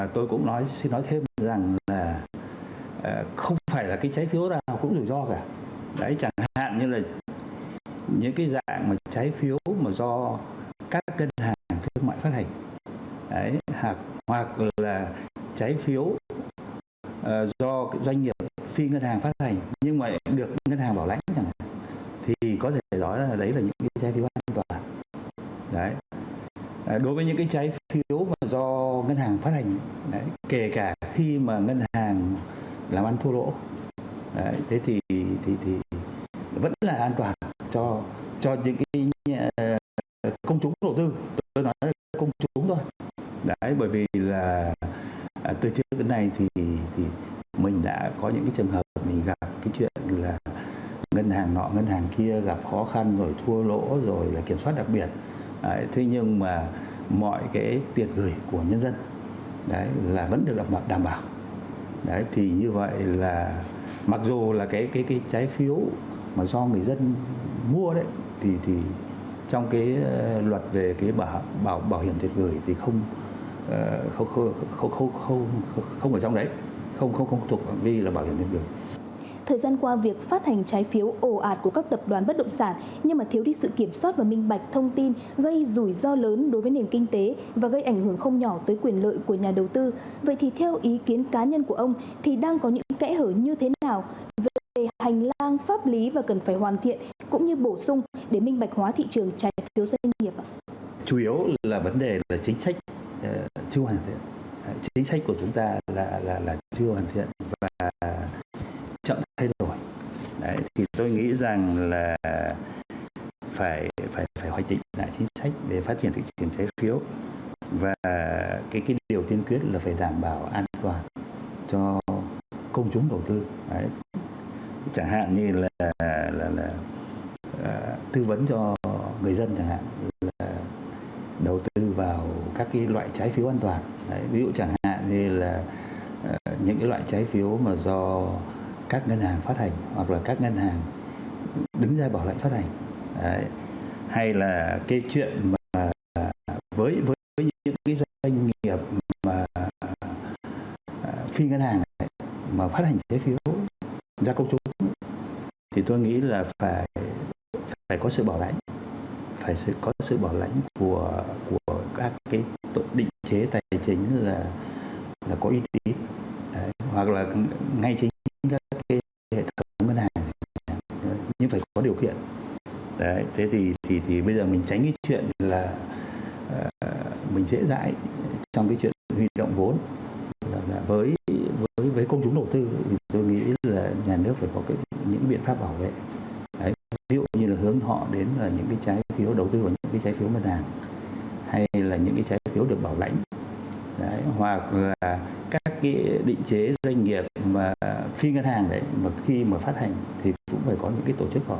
tôi nghĩ là nhà nước phải có những biện pháp bảo vệ ví dụ như là hướng họ đến những trái phiếu đầu tư vào những trái phiếu bảo lãnh hay là những trái phiếu được bảo lãnh hoặc là các định chế doanh nghiệp phi ngân hàng khi mà phát hành thì cũng phải có những tổ chức đứng ra bảo lãnh thì nó mới đảm bảo sự ổn định của xã hội